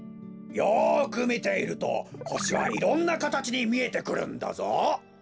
よくみているとほしはいろんなかたちにみえてくるんだぞ。